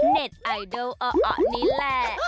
เน็ตไอดัลอ่อนี้แหล่ะ